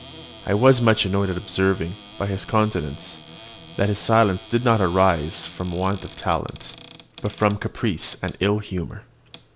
I was much annoyed at observing, by his countenance, that his silence did not arise from want of talent, but from caprice and ill humour.